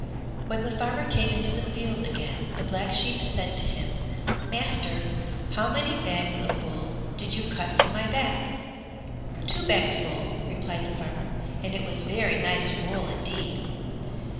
When the farmer came into the field again the Black Sheep said to him, "Master, how many bags of wool did you cut from my back?" "Two bags full," replied the farmer; "and it was very nice wool indeed."